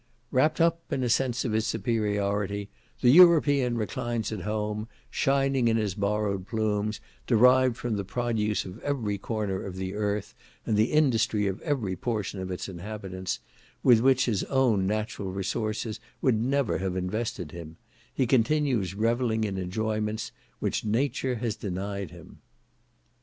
"Wrapped up in a sense of his superiority, the European reclines at home, shining in his borrowed plumes, derived from the product of every corner of the earth, and the industry of every portion of its inhabitants, with which his own natural resources would never have invested him, he continues revelling in enjoyments which nature has denied him."